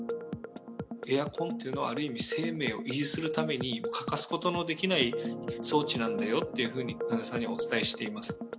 エアコンっていうのはある意味、生命を維持するために欠かすことのできない装置なんだよっていうふうに、患者さんにお伝えしています。